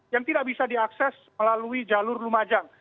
yang tidak bisa diakses melalui jalur lumajang